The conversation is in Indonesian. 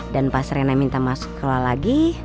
dan pas rena minta masuk ke rumah lagi